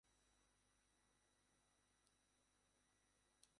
হাসপাতালে চিকিৎসাধীন নাফিজ দাবি করেন, তিনি বাবার সঙ্গে গার্মেন্টস এক্সেসরিজের ব্যবসা করেন।